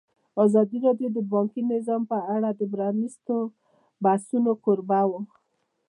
ازادي راډیو د بانکي نظام په اړه د پرانیستو بحثونو کوربه وه.